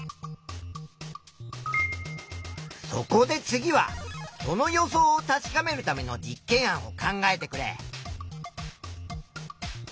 そこで次はその予想を確かめるための実験案を考えてくれ。